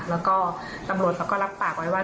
แล้วก็ตำรวจเขาก็รับปากไว้ว่า